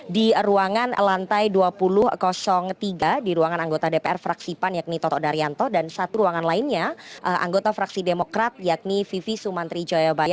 di ruangan lantai dua puluh tiga di ruangan anggota dpr fraksi pan yakni toto daryanto dan satu ruangan lainnya anggota fraksi demokrat yakni vivi sumantri jayabaya